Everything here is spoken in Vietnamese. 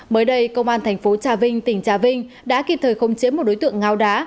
mới đây công an thành phố trà vinh tỉnh trà vinh đã kịp thời khống chế một đối tượng ngáo đá